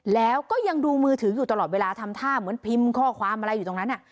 แล้วก็ยังดูมือถืออยู่ตลอดเวลาทำท่าเหมือนพิมพ์ข้อความอะไรอยู่ตรงนั้น